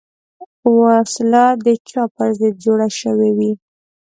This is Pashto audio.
وسله د چا پر ضد جوړه شوې وي